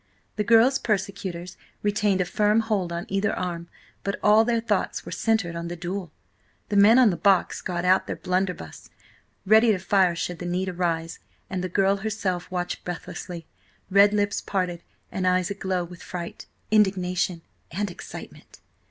The girl's persecutors retained a firm hold on either arm, but all their thoughts were centred on the duel. The men on the box got out their blunderbuss, ready to fire should the need arise, and the girl herself watched breathlessly, red lips apart, and eyes aglow with fright, indignation, and excitement.